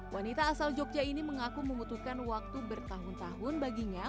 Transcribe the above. wanita asal jogja ini mengaku membutuhkan waktu bertahun tahun baginya